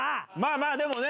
まぁでもね